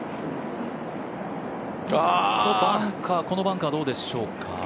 このバンカー、どうでしょうか。